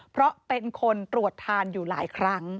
เพราะเป็นคนตรวจทานอยู่หลายครั้ง